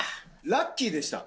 ラッキーでした。